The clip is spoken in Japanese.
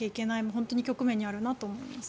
本当に局面にあるなと思います。